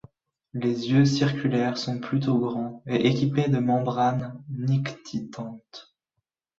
Les yeux circulaires sont plutôt grands et équipés de membranes nictitantes.